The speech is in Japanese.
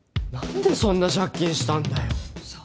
何でそんな借金したんだよ。